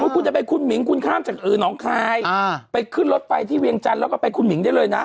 คุณจะไปคุณหมิงคุณข้ามจากหนองคายไปขึ้นรถไฟที่เวียงจันทร์แล้วก็ไปคุณหิงได้เลยนะ